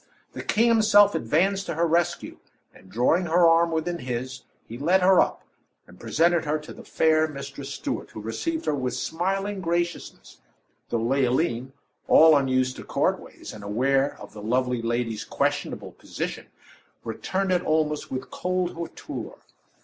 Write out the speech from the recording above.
The king himself advanced to her rescue, and drawing her arm within his, he led her up and presented her to the fair Mistress Stuart, who received her with smiling graciousness though Leoline, all unused to court ways, and aware of the lovely lady's questionable position, returned it almost with cold hauteur.